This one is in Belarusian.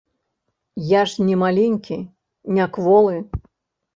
Я ж не маленькі, не кволы!